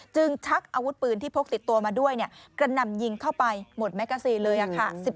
ชักอาวุธปืนที่พกติดตัวมาด้วยกระหน่ำยิงเข้าไปหมดแมกกาซีนเลยค่ะ